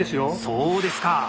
そうですか。